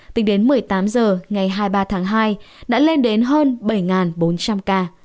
tính đến một mươi tám h ngày hai mươi ba tháng hai đã lên đến hơn bảy bốn trăm linh ca